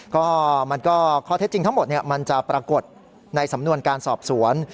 ข้อเท็จจริงทั้งหมดเนี่ยมันจะปรากฏในสำนวนการสอบสวน